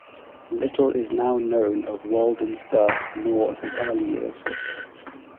Little is now known of Walden's birth nor of his early years.